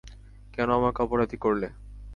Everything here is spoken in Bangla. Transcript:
কেন আমাকে অপরাধী করলে?